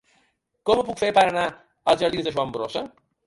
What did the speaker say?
Com ho puc fer per anar als jardins de Joan Brossa?